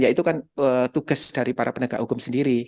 ya itu kan tugas dari para penegak hukum sendiri